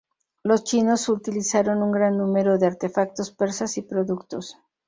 Los chinos utilizaron un gran número de artefactos persas y productos.